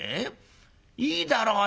いいだろうよ